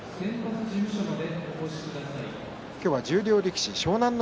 今日は十両力士湘南乃